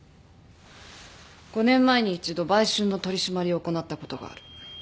５年前に一度売春の取り締まりを行ったことがある。